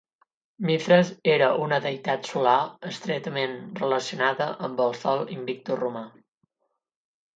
Mithras era una deïtat solar, estretament relacionada amb el Sol Invictus romà.